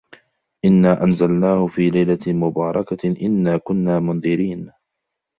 إِنَّا أَنْزَلْنَاهُ فِي لَيْلَةٍ مُبَارَكَةٍ إِنَّا كُنَّا مُنْذِرِينَ